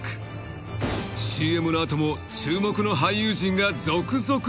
［ＣＭの後も注目の俳優陣が続々登場］